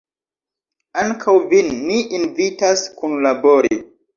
Ankaŭ vin ni invitas kunlabori!